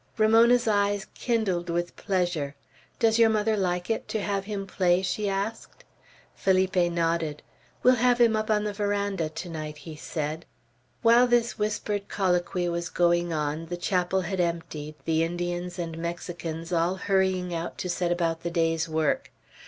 Ramona's eyes kindled with pleasure. "Does your mother like it, to have him play?" she asked. Felipe nodded. "We'll have him up on the veranda tonight," he said. While this whispered colloquy was going on, the chapel had emptied, the Indians and Mexicans all hurrying out to set about the day's work.